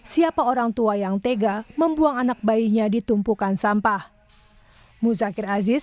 siapa orang tua yang tega membuang anak bayinya di tumpukan sampah muzakir aziz